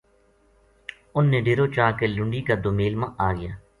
انھ نے ڈیرو چا کے لُنڈی کا دومیل ما آ گیا